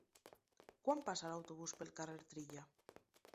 Quan passa l'autobús pel carrer Trilla?